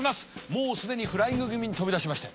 もう既にフライング気味に飛び出しましたよ。